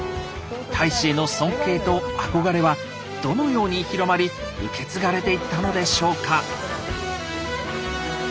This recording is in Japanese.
太子への尊敬と憧れはどのように広まり受け継がれていったのでしょうか？